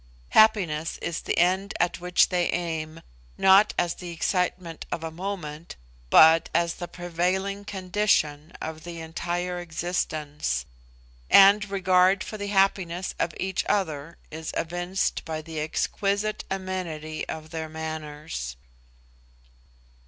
Happiness is the end at which they aim, not as the excitement of a moment, but as the prevailing condition of the entire existence; and regard for the happiness of each other is evinced by the exquisite amenity of their manners.